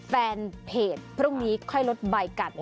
แฟนเพจเพราะวันนี้ค่อยลดใบกัน